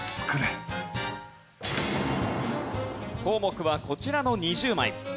項目はこちらの２０枚。